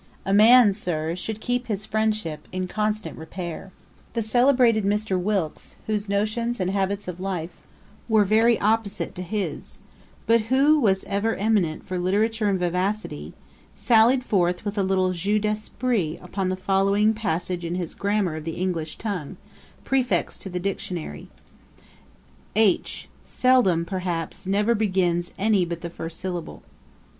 A man, Sir, should keep his friendship in constant repair.' The celebrated Mr. Wilkes, whose notions and habits of life were very opposite to his, but who was ever eminent for literature and vivacity, sallied forth with a little Jeu d'Esprit upon the following passage in his Grammar of the English Tongue, prefixed to the Dictionary: 'H seldom, perhaps never, begins any but the first syllable.'